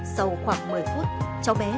sau khoảng một mươi phút cháu bé tìm